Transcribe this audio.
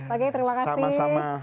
pak g terima kasih sama sama